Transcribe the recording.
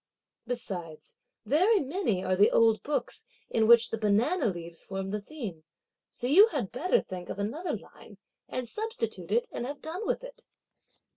Besides, very many are the old books, in which the banana leaves form the theme, so you had better think of another line and substitute it and have done with it!"